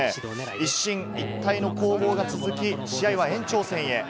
一進一退の攻防が続き試合は延長戦へ。